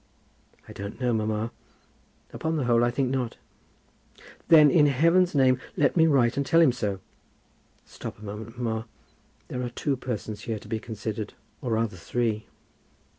"I don't know, mamma. Upon the whole, I think not." "Then in heaven's name let me write and tell him so." "Stop a moment, mamma. There are two persons here to be considered, or rather, three."